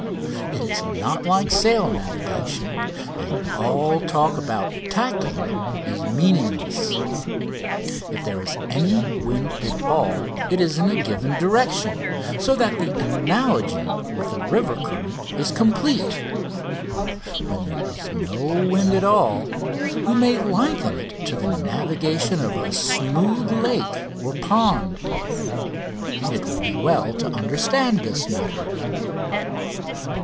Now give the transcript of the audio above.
It is not like sail navigation, and all talk about "tacking" is meaningless. If there is any wind at all it is in a given direction, so that the analogy with a river current is complete. When there is no wind at all we may liken it to the navigation of a smooth lake or pond. It will be well to understand this matter.